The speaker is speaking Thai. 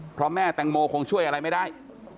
เพราะแม่แตงโมคงช่วยอะไรไม่ได้